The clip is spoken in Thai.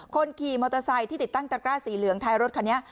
คนขี่มอเตอร์ไซค์ที่ติดตั้งตะกร้าสีเหลืองท้ายรถคันนี้